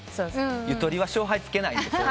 「ゆとりは勝敗つけないんです」